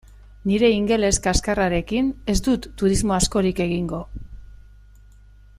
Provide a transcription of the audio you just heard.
Nire ingeles kaxkarrarekin ez dut turismo askorik egingo.